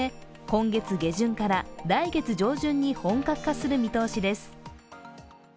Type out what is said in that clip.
今月下旬から来月上旬に本格化する見通しです。